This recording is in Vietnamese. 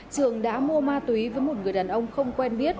trường đã mua ma túy với một người đàn ông không quen biết